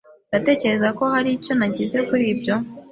Uratekereza ko hari icyo nagize kuri ibyo?